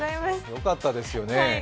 よかったですよね。